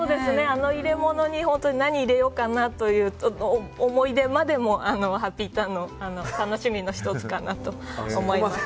あの入れ物に何入れようかなという思い出までもハッピーターンの楽しみの１つかなと思います。